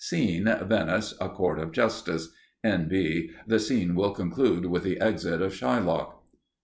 Scene: Venice. A Court of Justice. N.B. The scene will conclude with the exit of Shylock.